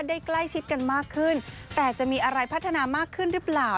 ใกล้ชิดกันมากขึ้นแต่จะมีอะไรพัฒนามากขึ้นหรือเปล่า